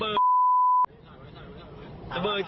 เปิดกระทบ